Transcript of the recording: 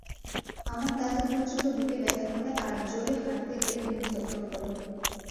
আমার দাদুর প্রচন্ড বুকে ব্যথা করে আর জোরে হাঁটতে গেলে বুক ধরফর করে।